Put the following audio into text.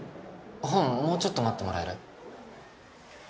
本もうちょっと待ってもらえる？